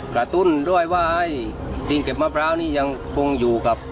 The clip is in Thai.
กระตุ้นด้วยว่าตีนเก็บมะพร้าวนี่ยังคงอยู่กับ